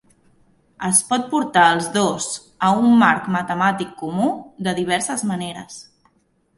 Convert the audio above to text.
Es pot portar els dos a un marc matemàtic comú de diverses maneres.